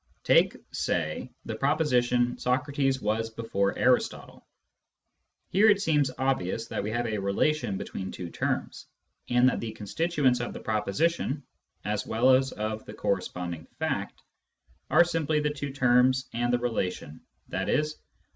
Take (say) the proposition " Socrates was before Aristotle." Here it seems obvious that we have a relation between two terms, and that the constituents of the proposition (as well as of the corresponding fact) are simply the two terms and the relation, i.e.